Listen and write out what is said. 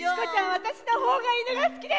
私のほうが犬が好きです！